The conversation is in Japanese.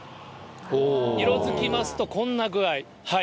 色づきますと、こんな具合。